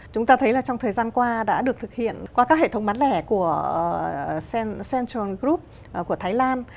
chúng ta thấy là trong thời gian qua đã được thực hiện qua các hệ thống bán lẻ của central group của thái lan